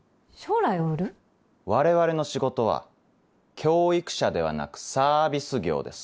我々の仕事は教育者ではなくサービス業です。